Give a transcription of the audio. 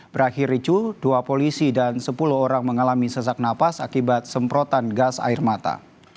berakhir ricuh dua polisi dan sepuluh orang mengalami sesak nafas akibat semprotan gas air mata